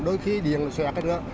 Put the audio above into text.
đôi khi điền nó xòe ra nữa